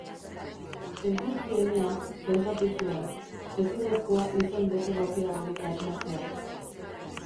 Eguzkienea, pentsatu zuen, ezinezkoa izen desegokiagorik asmatzea!